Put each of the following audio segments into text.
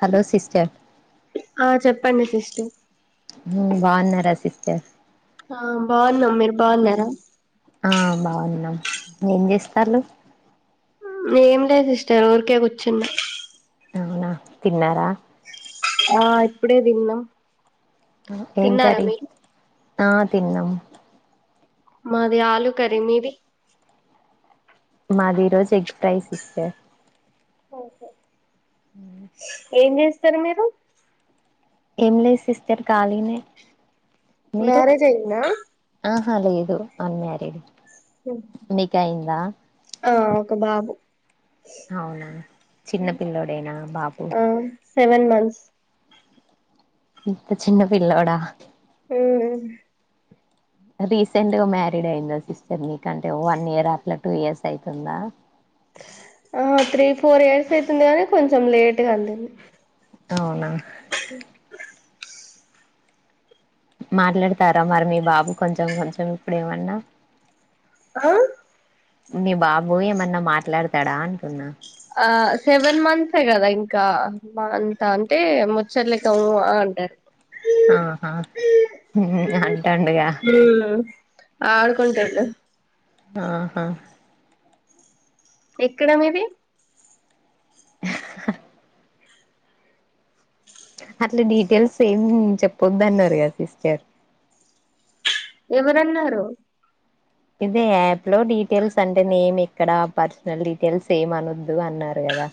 Hello sister పండి sister ఊ బాగున్నరా సిస్టర్ ఆ బాగున్నాం, మీరు బాగున్నరా ఆ బాగున్నాం ఏం చేస్తారు ఏం లేద్ సిస్టర్ ఊరికే కూర్చున్నా అవునా తిన్నారా ఆ ఇప్పుడే దిన్నం ఏం కర్రీ ఆ తిన్నాం మాది ఆలూ కర్రీ మీది మాది ఈరోజు ఎగ్ ఫ్రై సిస్టర్ ఓకే ఏం జేస్ స్తరు మీరు ఏం లేద్ సిస్టర్ ఖాళీనే మ్యారేజ్ అయిందా అ లేదు అన్మ్యారీడ్ మీకయిందా ఆ ఒక బాబు అవునా చిన్న పిల్లొడేనా బాబు ఆ సెవెన్ మంత్స్ ఇంత చిన్న పిల్లొడా ఉమ్ రీసెంట్గా మ్యారీడ్ అయిందా సిస్టర్ మీకు కంటే వన్ ఇయర్ అట్ల టూ ఇయర్స్ అయితుందా ఆహ త్రీ ఫోర్ ఇయర్స్ అయితుంది కానీ కొంచెం లేట్గా అందిందీ అవునా [unintelligible] మాట్లాడతారా మరి మీ బాబు కొంచెం కొంచెం ఇప్పుడేవన్నా ఆ మీ బాబు ఏమన్నా మాట్లాడతాడా అంటున్నా ఆ సెవెన్ మంత్సే కదా ఇంకా అంత అంటే ముచ్చట్లేక ఉ అ అంటాడు ఆహా మ్మ్ అంటండుగా ఆడుకొంటుండూ ఆహా ఎక్కడ మీది అట్లా డీటెయిల్స్ ఏం చెప్పొద్దన్నారు కదా సిస్టర్ ఎవరన్నారు ఇదే యాప్ లో డీటెయిల్స్ అంటే నేమ్ ఎక్కడ పర్సనల్ డీటెయిల్స్ ఏం అనొద్దు అన్నారు గదా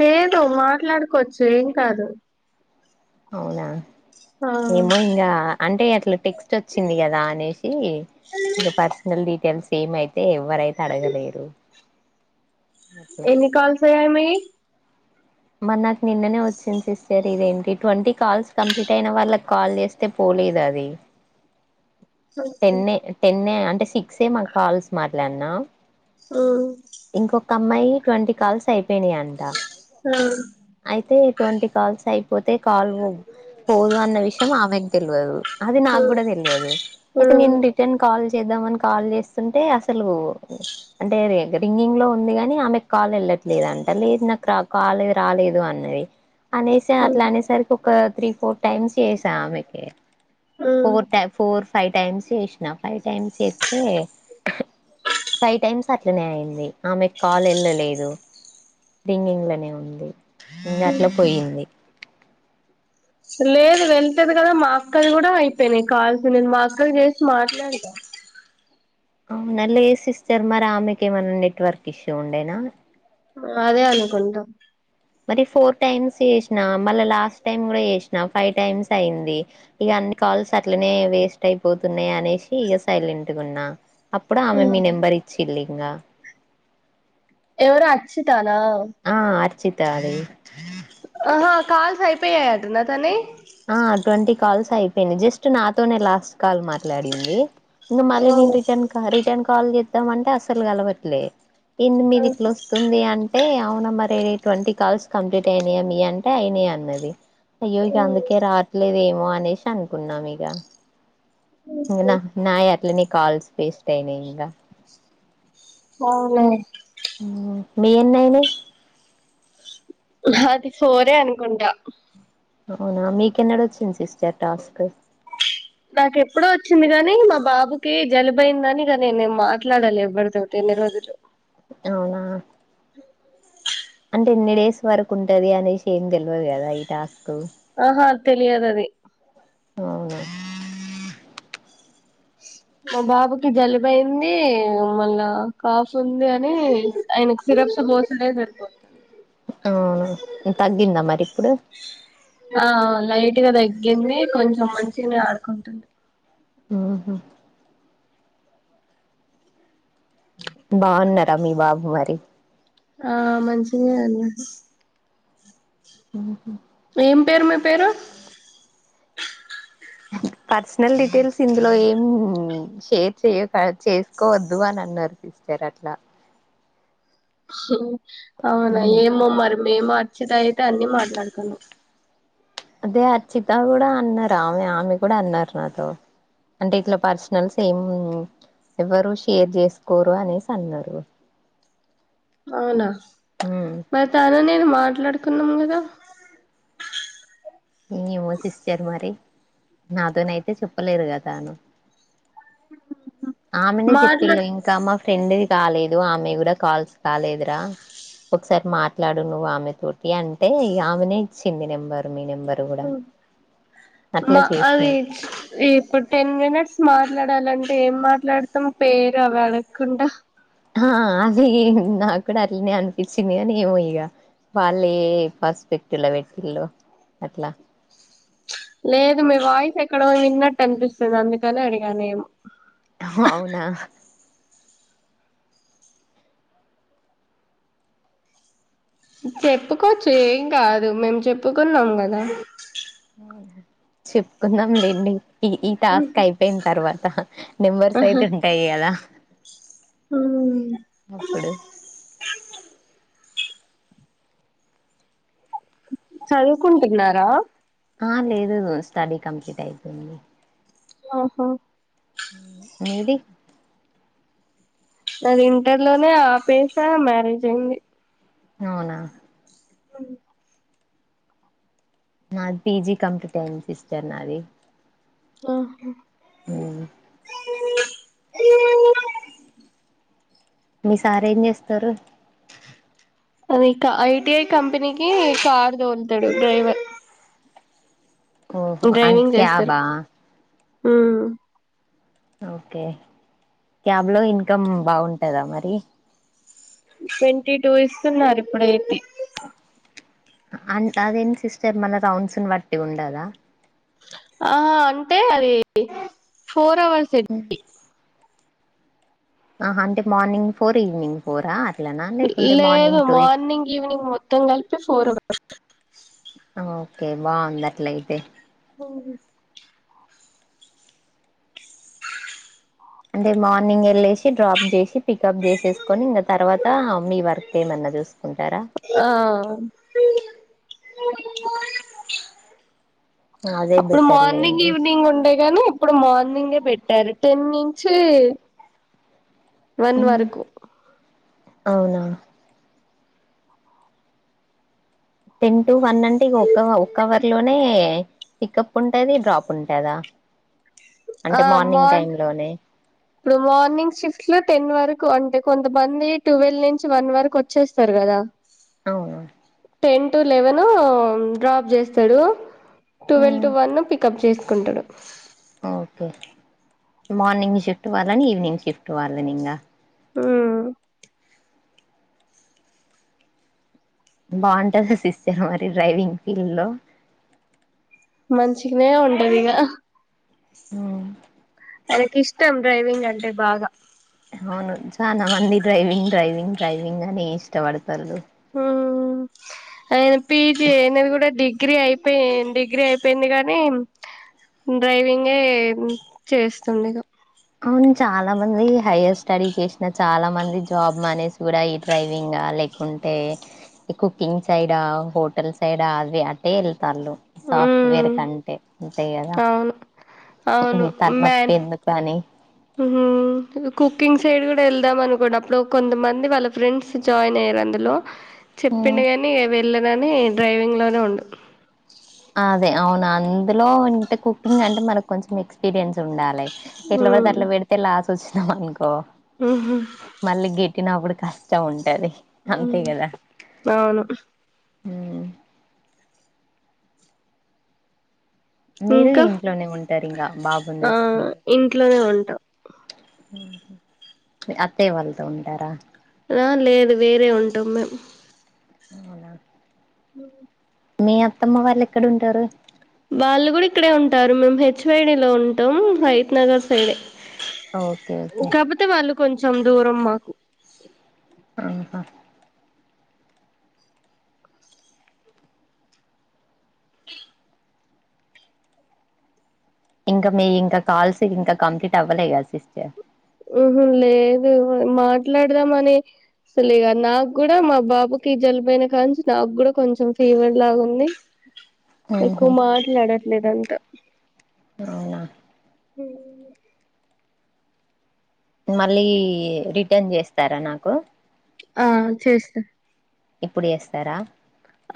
లేదు మాట్లాడుకోచ్చు ఏం కాదు అవునా ఆ ఏమో ఇంగ అంటే అట్ల టిక్స్ వచ్చింది కదా అనేసి ఇంకా పర్సనల్ డీటెయిల్స్ సేమ అయితే ఎవ్వరైతే అడగలేరు అట్లా ఎన్ని కాల్స్ అయ్యాయి మీయి మరి నాకు నిన్ననే వచ్చింది సిస్టర్ ఇదేంటి ట్వంటీ కాల్స్ కంప్లీట్ అయిన వాళ్ళకి కాల్ చేస్తే పోలేదు అది తెన్నె తెన్నె అంటే సిక్ సే మా కాల్స్ మార్ పలనా ఆ ఒక అమ్మాయి ట్వంటీ కాల్స్ అయిపోయినాయి అంట అయితే ట్వంటీ కాల్స్ అయిపోతే కాల్ పోదు అన్న విషయం ఆమెకు తెలియదు అది నా కూడా తెల్వదు అయితే నేను రిటర్న్ కల్ చేద్దాం అని కాల్ చేస్తుంటే అసలు అంటే రింగింగ్ లో ఉంది కాని ఆమెకు కాల్ వెళ్ళట్లేదు అంట లేదు నాకు కాల్ రాలేదు అన్నది అనేస అట్లా అనేసరికి ఒక త్రీ ఫోర్ టైమ్స్ చేసా ఆమెకే ఫోర్ టై ఫోర్ ఫైవ్ టైమ్స్ చేసినా ఫైవ్ టైమ్స్ చేతే ఫైవ్ టైమ్స్ అట్లనే అయింది ఆమె కాల్ వెళ్ళలేదు రింగింగ్లనే ఉంది ఇంకా అట్లా పోయింది లేదు వెళ్తది కదా మా అక్కది కూడా అయిపోయినాయి కాల్స్ నేను మా అక్కకి చేసి మాట్లాడిన అవునా లేద్ సిస్టర్ మరి ఆమెకి ఏమైన్నా నెట్వర్క్ ఇష్యూ ఉండేనా అదే అనుకుంట మరి ఫోర్ టైమ్స్ చేసిన మళ్ళ లాస్ట్ టైమ్ కూడా చేసినా ఫైవ్ టైమ్స్ అయింది ఇక అన్ని కాల్స్ అట్లనే వేస్ట్ అయిపోతున్నాయి అనేసి ఇక సైలెంట్గున్న అప్పుడు ఆమె మీ నెంబర్ ఇచ్చిల్లి ఇంగా ఎవరు అచ్చి త నా చితా దీ ఆహా కాల్స్ అయిపోయాయి అంటన తనేయీ ఆ అటువంటి కాల్స్ తయిపోయినయి జస్ట్ నాతోనే లాస్ట్ కాల్ మాట్లాడింది. నువ్వ్ మళ్ళి ఆ నేన్ రిటర్న్ కా రిటర్న్ కా కాల్ చేద్దామంటే అసలు కలవట్లే ఏంది మీది ఇట్ల వస్తుంది అంటే అవ్ ఫోన్ నెంబర్ అయి ట్వంటీ కాల్స్ కంప్లీట్ అయినాయా అంటే అయినాయి అన్నది అయ్యో ఇక అంది లేదేమో అనేసి అనుకున్నాం ఇగ ఇంగ న నాయీ అ ల్ నీ కాల్స్ వేస్ట్ అయినాయి గా అవున మీ ఎన్నిఅయినై నాది ఫోరే అనుకుంట అవునా మీకెన్నడు వచ్చింది సిస్టర్ టాస్క్ నాకెప్పుడో వచ్చింది గానీ మా బాబుకి జలుబయిందని ఇగ నేనేం మాట్లాడా లేదు ఎవరితో ఇన్ని రోజులు అవునా అంటే ఎన్ని డేస్ వరకు ఉంటది అనేసి ఏం తెల్వదు కదా ఈ టాస్క్ ఆహా తెలియదు అది అవును మా బాబుకి జలుబైంది మళ్ళా కాఫ్ ఉంది అని ఆయనకి సిరప్స్ బోసలే సరిపోతుంది. అవును తగ్గిందా మరి ఇప్పుడు ఆ లైట్గా తగ్గింది కొంచెం మంచిగానే ఆడుకుంటుండు ఆహా బాగున్నర మీీ బాబు మరి ఆ మంచిగానే ఉ ఉహు ఏం పేరు మీ పేరు పర్సనల్ డీటెయిల్స్ ఇందులో ఏం షేర్ చెయో త చేసుకోవద్దు అని అన్నారు సిస్టర్ అట్లా హ్మ్ అవునా ఏమోమ్మరి మేము అర్చేద అయితే అన్ని మాట్లాడుకున్నాం అదే అర్చిత కూడా అన్నారు ఆమె ఆమె కూడా అన్నారు నాతో, అంటే ఇట్ల పర్సనల్స్ సేము, ఎవ్వరు షేర్ జేస్కోరు అనేసి అన్నారు. అవునా మర్ తనునే మాట్లాడుకుంనం కద. ఏమో సిస్టర్ మరి నాతోనైయితే చెప్పలేదుగ తాను ఆమెనే మాట్లా చెప్పిళ్ళు ఇంకా మా ఫ్రెండ్ కాలేదు ఆమె కూడా కాల్స్ కాలేదురా, ఒకసారి మాట్లాడు నువ్వు ఆమె తోటి అంటే ఇగ ఆమెనే ఇచ్చింది నెంబర్ మీ నెం మా చేసిన అది ఇప్పుడు టెన్ మినిట్స్ మ ట్లాడాలంటే ఏం మాట్లాడత్తం పేరు అవ అడక్కుంట ఆ అది నాకూడా అట్లనే అనిపించింది అని ఏమో ఇగ వాళ్ళే పర్స్పెక్టివ్ లొ పెట్టిల్లో అట్ల లేదు మీ వాయిస్ ఎక్కడొ విన్నట్టు అనిపిస్సది అందుకని అడిగా నేమ్ అవునా చెప్పుకోచ్చు ఏం కాదు మేము చెప్పుకున్నాం గదా. చెప్పుక్కున్నంలేండి. ఈ ఈ టాస్క్ అయ్ పెయిన్ తర్వాత నెంబర్స్ అయితే ఉంటాయ్ కద. ఉ అప్పుడు చదువుకుంటున్నార ఆ లేదు స్టడీ కంప్లీట్ అయిపెయింది. ఆహా మీది నాది ఇంటర్ లోనే ఆపేసా మ్యారేజయింది. నౌనా ఉ నాది పిజీ కంప్పీటయ్యింది సిస్టర్ నాది ఆహ హు ఓ మీ సారు ఏం చేస్తారు. అవి క్క ఐటిఐ కంపెనీకి కార్ దోల్ తాడు డ్రైవర్. ఓహో అన్న్ క్యాబా ఉ ఓకే క్యాబ్ లో ఇన్కమ్ బాఉంటదా మరి. ట్వంటీ టూ ఇస్సున్నారు ఇప్పుడైతే అ అన్ అదేంన్ సిస్టర్ మన రౌండ్స్ని బట్టి ఉండదా. ఆఆ అంటే అది ఫోర్ అవర్సె టి ఆహ అంటే మార్నింగ్ ఫోర్, ఈవినింగ్ ఫోరా అ లేదు మార్నింగ్ ఈవినింగ్ మొత్తం కలిపి ఫోర్ వ అఓకే బాంది అట్లైతే హు అంటే మార్నింగ్ వెళ్ళేసి డ్రాప్ చేసి పికప్ చేసేసుకొని ఇంకా తర్వాత మీ వర్క్ ఏమన్నా చూసుకో ఆ అఓ అదే అప్పుడు బెటర్ మార్నింగ్ లేండి ఈవినింగ్ ఉండే గాని ఇప్పుడు మార్నింగే పెట్టారు టెన్ నుంచి వన్ వరకు అవునా టెన్ టు వన్ అంటే ఇ ఒక ఒ అవర్ లోనే పికప్ ఉంటది డ్రాప్ ఉంటదా ఆ అంటే మార్నింగ్ మార్ టైమ్ లోనే ఇప్పుడు మార్నింగ్ షిఫ్ట్ లో టెన్ వరకు అంటే కొంతమంది ట్వెల్వ్ నుంచి వన్ వరకు వచ్చేస్తారు కదా అవును టెన్ టు లెవెన్ డ్రాప్ చేస్తాడు టువెల్వ్ టు ఉమ్, వన్ ను పికప్ చేస్తా చెకుంటుడు ఓకే మార్నింగ్ షిఫ్ట్ వాళ్లని ఈవినింగ్ షిఫ్ట్ వాళ్లని ఇంకా హ్మ్ బాగుంటది సిస్టర్ మరి డ్రైవింగ్ ఫీల్డ్ లో మంచిగానే ఉంటదిక ఉమ్ మనకి ఇష్టం డ్రైవింగ్ అంటే బాగా అవును చాలా మంది డ్రైవింగ్ డ్రైవింగ్ డ్రైవింగ్ అని ఇష్టపడతారు ఆయన పీజీ అయినది కూడా డిగ్రీ అయిపోయి డిగ్రీ అయిపోయింది కాగానీ డ్రైవింగే చేస్తుంది అవును చాలా మంది హయర్ స్టడీస్ చేసిన చాలా మంది జాబ్ మానేస్ కూడా ఈ డ్రైవింగ్ లేకుంటే కుకింగ్ సైడ్ హోటల్ సైడా అది అట్టే వె సాఫ్ట్వేర్ ఉమ్ కంటే ఎంతయదా ఆవును మ అని కుకింగ్ సైడ్ కూడా వెళ్దాం అనుకోండి అప్పుడు కొంతమంది వాళ్ళ ఫ్రెండ్స్ జాయిన్ అయ్యారు అందులో ఉమ్, చెప్పిండుగాని పిల్దని డ్రైవింగ్ లోనే ఉండు అదే అవును అందులో ఇంట కుకింగ్ అంటే మనకు కొంచెం ఎక్స్పీరియన్స్ ఉండాలి ఎట్లా పడితే ఉమ్ అట్లా పెడితే లా [inaudible] కొ ఉహు మల్గెట్ పెట్టినప్పుడు కష్టం ఉంటుంది అవును ఉమ్, మీరు ఇంకా ఇంట్లోనే ఉంటారు ఇంకా బాబుని ఆ చూసుకుంటారు ఇంట్లోనే ఉంటాం అత్తయ్య వాళ్ళతో ఉంటారా ఆ లేదు వేరే ఉంటాం మేం అవునా హ్మ్ మీ అత్తమ్మ వాళ్ళు ఎక్కడుంటారు? వాళ్ళు కూడా ఇక్కడే ఉంటారు. మేము హెచ్ వైడి లో ఉంటాం Hayathnagar side okay okay కొంచెం దూరం మాకు ఆహా ఇంక మీ ఇంక కాల్స్ ఇంక కంప్లీట్ అవ్వలే గద సిస్టర్ ఊ హ్మ్ లేదు మాట్లాడదామని అసలు ఇగ నాగ్గూడ మా బాబుకి జలుబైన కాంచి నాగ్గూడ కొంచెం ఫీవర్ లాగుంది ఉహు ఎక్కువ మాట్లాడట్లేదండ్ ట అవునా హ్మ్ మళ్ళీ రిటన్ చేస్తారా నాకు? ఆ చేస్తా ఇప్పుడు చేస్తారా?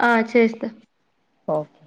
ఆ చేస్తా. ఓకే